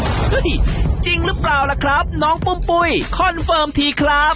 จริงหรือเปล่าล่ะครับน้องปุ้มปุ้ยคอนเฟิร์มทีครับ